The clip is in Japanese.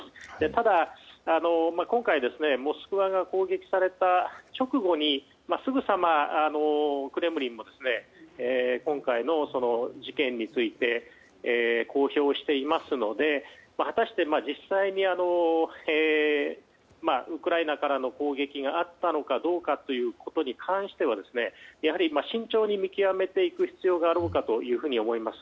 ただ、今回モスクワが攻撃された直後にすぐさまクレムリンも今回の事件について公表していますので果たして実際にウクライナからの攻撃があったのかどうかということに関してはやはり今、慎重に見極めていく必要があろうかと思います。